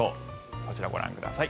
こちら、ご覧ください。